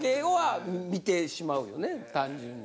単純に。